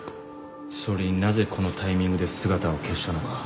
それになぜこのタイミングで姿を消したのか。